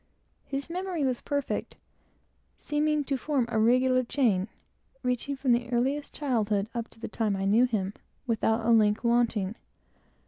His memory was perfect; seeming to form a regular chain, reaching from his earliest childhood up to the time I knew him, without one link wanting.